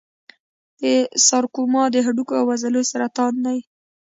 د سارکوما د هډوکو او عضلو سرطان دی.